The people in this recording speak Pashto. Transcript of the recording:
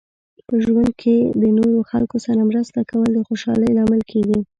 په ژوند کې د نورو خلکو سره مرسته کول د خوشحالۍ لامل کیږي.